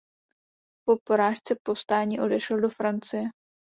Po porážce povstání odešel do Francie.